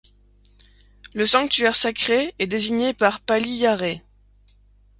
Le sanctuaire sacré est désigné par Palliyarai.